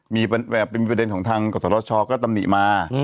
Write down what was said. มีประเด็นของทางกษัตริย์รถชอบก็ตำหนิมา